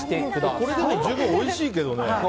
これでも十分おいしいけどね！